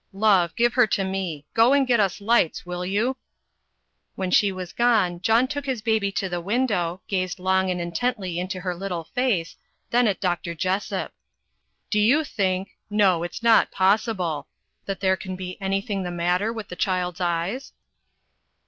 "Love, give her to me. Go and get us lights, will you?" When she was gone, John took his baby to the window, gazed long and intently into her little face, then at Dr. Jessop. "Do you think no it's not possible that there can be anything the matter with the child's eyes?"